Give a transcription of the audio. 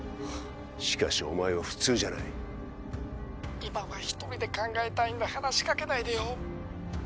しかしお前は普通じゃない今は一人で考えたいんだ話しかけないでよ